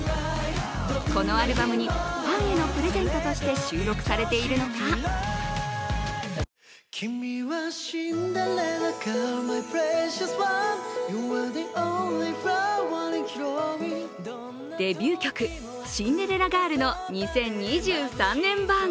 このアルバムにファンへのプレゼントとして収録されているのがデビュー曲「シンデレラガール」の２０２３年版。